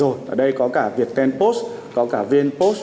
ở đây có cả việt ten post có cả vn post